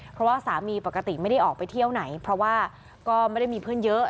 เพราะว่าสามีปกติไม่ได้ออกไปเที่ยวไหนเพราะว่าก็ไม่ได้มีเพื่อนเยอะ